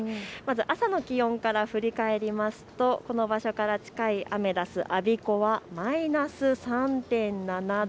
朝の気温から振り返りますとこの場所から近いアメダス我孫子はマイナス３．７度。